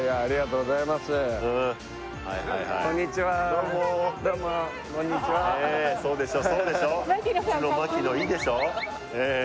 うちの槙野いいでしょ